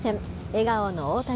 笑顔の大谷。